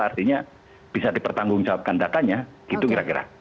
artinya bisa dipertanggungjawabkan datanya gitu kira kira